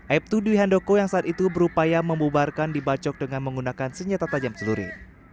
aibtu dwi handoko yang saat itu berupaya membubarkan dibacok dengan menggunakan senjata tajam celuri